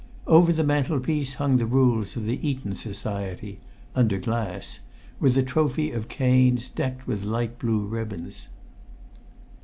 Over the mantelpiece hung the rules of the Eton Society under glass with a trophy of canes decked with light blue ribbons.